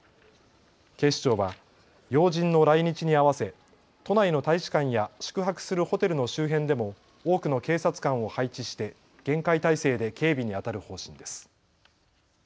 警視庁は要人の来日に合わせ都内の大使館や宿泊するホテルの周辺でも多くの警察官を配置して厳戒態勢で警備にあたる方針です。